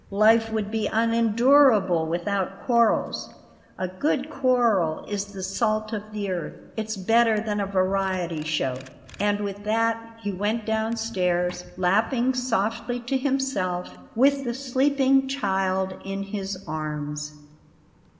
Life would be unendurable without quarrels. A good quarrel is the salt of the earth; it's better than a variety show!" And with that he went downstairs, laughing softly to himself, with the sleeping child in his arms.